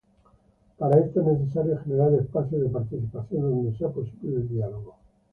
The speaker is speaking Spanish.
Para esto es necesario generar espacios de participación donde sea posible el diálogo.